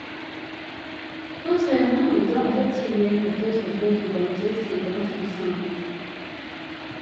Contrairement aux dents reptiliennes d'autres oiseaux dentés, ses dents sont simples.